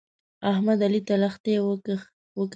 احمد؛ علي ته لښتې وکښې.